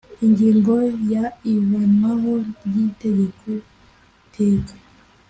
ingingo ya ivanwaho ry itegeko teka